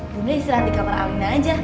bunda istirahat di kamar alina aja